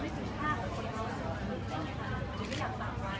มันจะเป็นอย่างแบบไว้ส่วนที่เสียงนะมีคนหลายแบบ